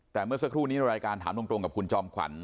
แต่เมื่อสักครู่นี้ในรายการถามตรงกับคุณจอมขวัญ